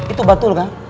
itu betul kan